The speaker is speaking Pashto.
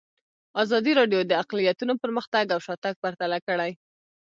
ازادي راډیو د اقلیتونه پرمختګ او شاتګ پرتله کړی.